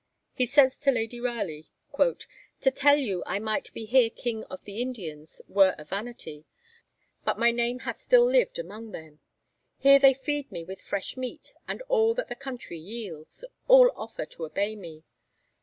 He says to Lady Raleigh: 'To tell you I might be here King of the Indians were a vanity; but my name hath still lived among them. Here they feed me with fresh meat and all that the country yields; all offer to obey me.